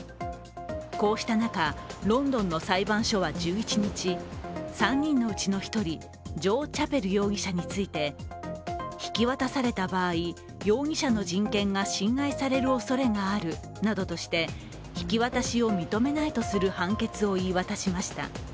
こうした中、ロンドンの裁判所は１１日、３人のうち１人、ジョー・チャペル容疑者について引き渡された場合、容疑者の人権が侵害されるおそれがあるなどとして引き渡しを認めないとする判決を言い渡しました。